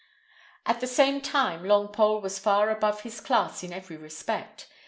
At the same time, Longpole was far above his class in every respect.